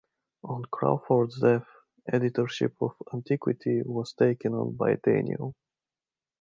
On Crawford's death, editorship of "Antiquity" was taken on by Daniel.